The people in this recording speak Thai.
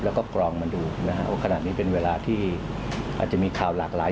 แล้วก็กรองมาดูนะฮะว่าขณะนี้เป็นเวลาที่อาจจะมีข่าวหลากหลาย